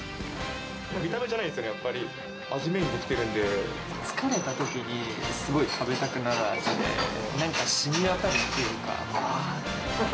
見た目じゃないんですよね、やっぱり、疲れたときに、すごい食べたくなる味で、なんかしみわたるっていうか。